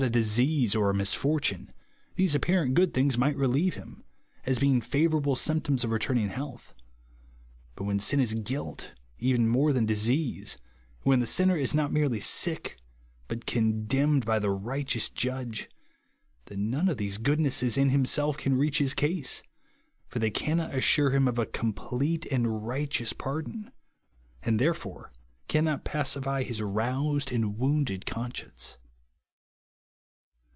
H a disease or a misfortune, these apparent good things might relieve him, as being favourable symptoms of returning health ; but when sin is guilt even more than disease ; and when the sinner is not merely sick, but condemned by the righteous judge ; then none of these goodnesses in himself can reach his case, for they cannot assure him of a complete and righteous par don, and, therefore, cannot pacify his roused and wounded conscience.